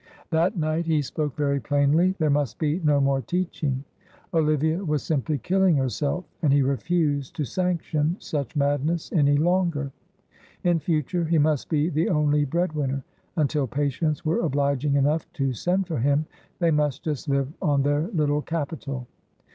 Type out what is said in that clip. That night he spoke very plainly. There must be no more teaching. Olivia was simply killing herself, and he refused to sanction such madness any longer. In future he must be the only breadwinner. Until patients were obliging enough to send for him, they must just live on their little capital.